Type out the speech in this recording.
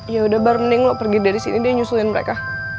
ya udah bar mending lo pergi dari sini dia nyusulin mereka